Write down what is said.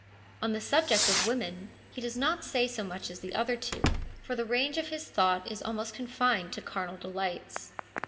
On the subject of women he does not say so much as the other two, for the range of his thought is almost confined to carnal delights.